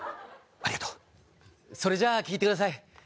ありがとうそれじゃ聴いてください